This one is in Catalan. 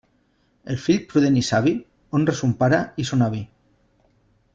El fill prudent i savi honra son pare i son avi.